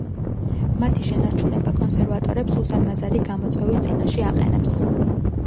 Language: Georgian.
მათი შენარჩუნება კონსერვატორებს უზარმაზარი გამოწვევის წინაშე აყენებს.